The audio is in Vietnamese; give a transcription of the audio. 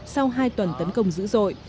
sau hai tuần tấn công dữ dội